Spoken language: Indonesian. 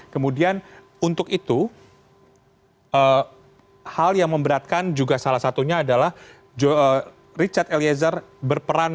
kemudian untuk itu hal yang memberatkan juga salah satunya adalah richard eliezer berperan